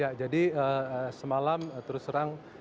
ya jadi semalam terus terang